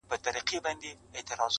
نه یې وېره وه له خدایه له دې کاره!!